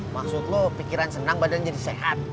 maksud lo pikiran senang badan jadi sehat